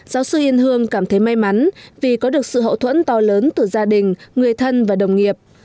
giáo sư yên hương cảm thấy may mắn vì có được sự hậu thuẫn to lớn từ gia đình người thân và đồng nghiệp